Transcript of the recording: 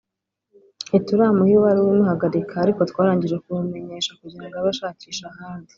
ntituramuha ibaruwa imuhagarika ariko twarangije kubimumenyesha kugira ngo abe ashakisha ahandi”